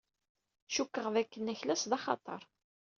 Cukkteɣ dakken aklas d axatar.